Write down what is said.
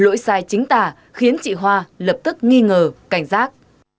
lỗi sai chính tả khiến chị hoa lập tức nghi ngờ cảnh giác